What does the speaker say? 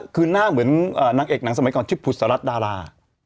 คือหน้าเหมือนนางเอกหนังสมัยก่อนชื่อผุศรัตนดารา